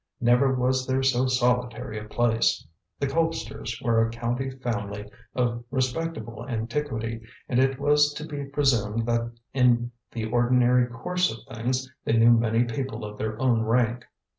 Never was there so solitary a place. The Colpsters were a county family of respectable antiquity, and it was to be presumed that in the ordinary course of things they knew many people of their own rank.